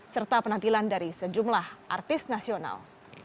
serta penampilan dari sejumlah artis nasional